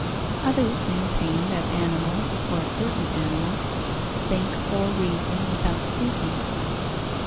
Others maintain that animals, or certain animals, think or reason without speaking.